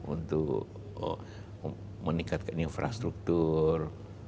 untuk meningkatkan infrastruktur